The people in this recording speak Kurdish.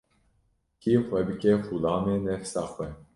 Kî xwe bike xulamê nefsa xwe